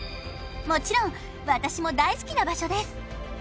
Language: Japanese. もちろん私も大好きな場所です